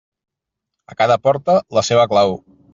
A cada porta, la seva clau.